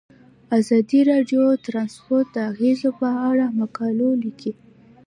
ازادي راډیو د ترانسپورټ د اغیزو په اړه مقالو لیکلي.